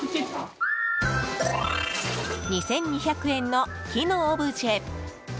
２２００円の木のオブジェ。